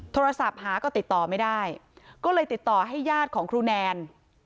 โทรศัพท์หาก็ติดต่อไม่ได้ก็เลยติดต่อให้ญาติของครูแนน